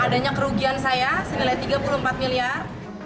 adanya kerugian saya senilai tiga puluh empat miliar